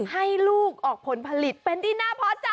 ให้ลูกออกผลผลิตเป็นที่น่าพอใจ